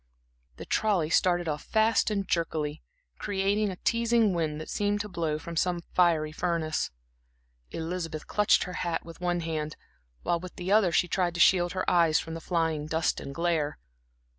The trolley started off fast and jerkily, creating a teasing wind, that seemed to blow from some fiery furnace. Elizabeth clutched her hat with one hand, while with the other she tried to shield her eyes from the flying dust and glare.